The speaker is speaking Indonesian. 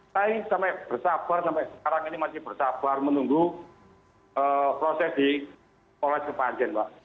saya sampai bersabar sampai sekarang ini masih bersabar menunggu proses di polres kepanjen mbak